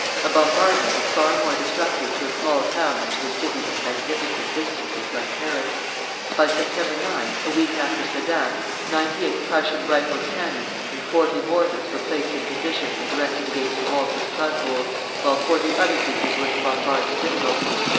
A bombardment is far more destructive to a small town than to a city of "magnificent distances" like Paris. By September 9, a week after Sedan, ninety eight Prussian rifled cannon and forty mortars were placed in position and directed against the walls of Strasburg, while forty other pieces were to bombard the citadel.